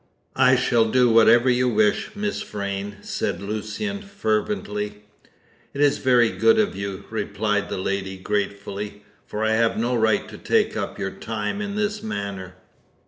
"I shall do whatever you wish, Miss Vrain," said Lucian fervently. "It is very good of you," replied the lady gratefully, "For I have no right to take up your time in this manner."